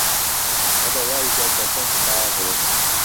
ئه دهوای دهردهکهم کاڵێ